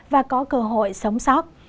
và có cơ hội sống sót